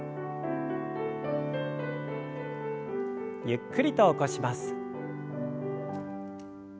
ゆっくりと起こします。